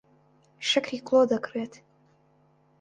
شەکری کڵۆ دەکڕێت.